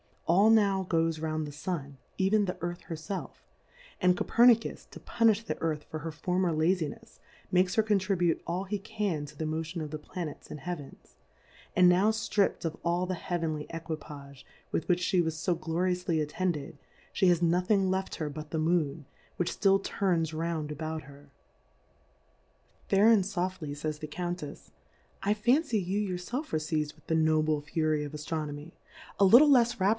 All now goes round the Sun^ even the Earth herfelf j and Copernicus to punifh the Earth for her former Lazinefs, makes her con tribute all he can to the Motion of the Planets and Heavens, and now ftrip'd of all the Heavenly Equipage with which file was fo glorioufly attended, fbe has nothing left her but the Moon^ which ftill turns round about her : Fair and foftly, fays the Count efs^ I fancy you your felf are feizM wich the Noble Fury of Aftroapniy ; a little lefs Rap ture, Plurality ^/WORLDS.